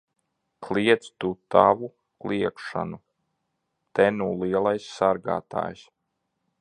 Kliedz tu tavu kliegšanu! Te nu lielais sargātājs!